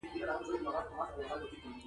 مینه د هر مخلوق د فطرت برخه ده.